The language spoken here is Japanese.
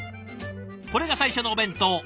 これが最初のお弁当。